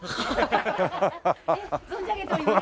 存じ上げております。